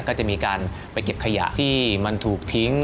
ก็จะมีการไปเก็บขยะที่มันถูกทิ้ง